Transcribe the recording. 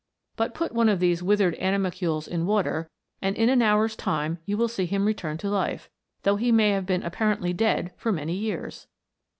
But put one of these withered animal cules in water, and in an hour's time you will see him return to life, though he may have been appa rently dead for many years